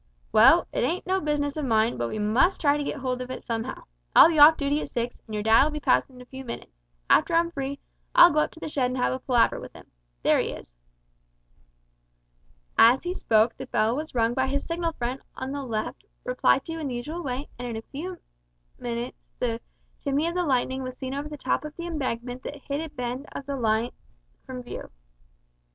"Well, it ain't no business of mine, but we must try to git hold of it somehow. I'll be off dooty at six, and your dad'll be passin' in a few minutes. After I'm free, I'll go up to the shed and have a palaver with 'im. There he is." As he spoke the bell was rung by his signal friend on the left replied to in the usual way, and in a few minutes the chimney of the Lightning was seen over the top of the embankment that hid a bend of the up line from view.